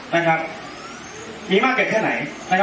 โบราณประกาศ